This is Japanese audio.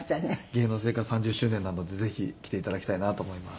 芸能生活３０周年なのでぜひ来て頂きたいなと思います。